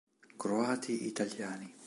Croati italiani